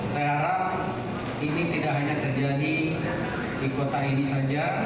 saya harap ini tidak hanya terjadi di kota ini saja